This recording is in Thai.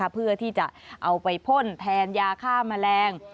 เพื่อที่จะเอาไปพ่นแทนยาฆ่าแมลง